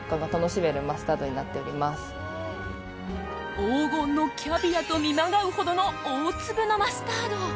黄金のキャビアと見まがうほどの大粒なマスタード。